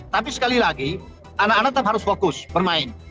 tapi sekali lagi anak anak tetap harus fokus bermain